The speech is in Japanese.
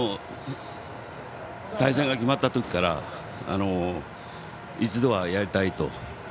対戦が決まった時から一度はやりたいと。